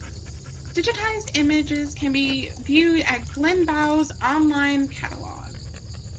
Digitised images can be viewed at Glenbow's online catalogue.